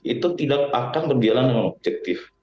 itu tidak akan berjalan dengan objektif